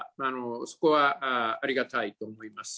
そこはありがたいと思います。